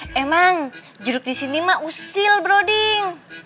hah emang duduk disini mah usil boroding